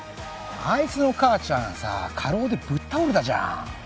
あいつの母ちゃんさ過労でぶっ倒れたじゃん